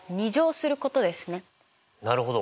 なるほど。